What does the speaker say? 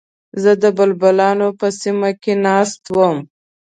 زه د بلبلانو په سیمه کې ناست وم.